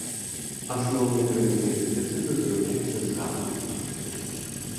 Асноўнай крыніцай дэфіцыту з'яўляецца закуп нафты.